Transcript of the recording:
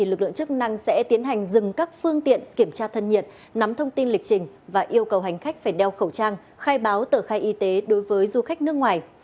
lực lượng chức năng sẽ tiến hành dừng các phương tiện kiểm tra thân nhiệt nắm thông tin lịch trình và yêu cầu hành khách phải đeo khẩu trang khai báo tờ khai y tế đối với du khách nước ngoài